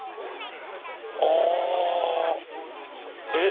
あ！えっ？